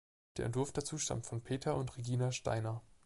Der Entwurf dazu stammt von Peter und Regina Steiner.